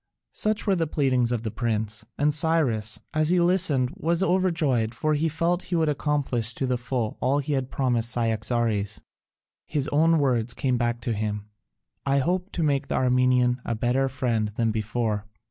Such were the pleadings of the prince, and Cyrus, as he listened, was overjoyed, for he felt he would accomplish to the full all he had promised Cyaxares; his own words came back to him, "I hope to make the Armenian a better friend than before."